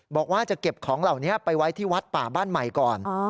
บอกว่าจะเก็บของเหล่านี้ไปไว้ที่วัดป่าบ้านใหม่ก่อน